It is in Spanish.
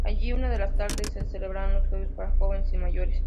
Allí, una de las tardes, se celebran los juegos para jóvenes y mayores.